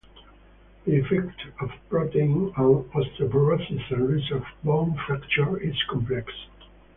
The effect of protein on osteoporosis and risk of bone fracture is complex.